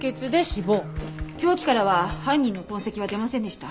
凶器からは犯人の痕跡は出ませんでした。